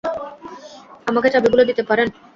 আমাকে চাবিগুলো দিতে পারেন?